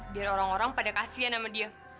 biar orang orang pada kasihan sama dia